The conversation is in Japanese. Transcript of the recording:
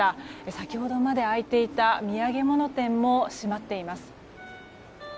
先ほどまで開いていた土産物店も閉まっています。